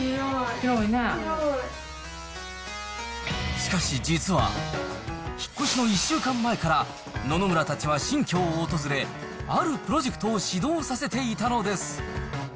しかし、実は引っ越しの１週間前から、野々村たちは新居を訪れ、あるプロジェクトを始動させていたのです。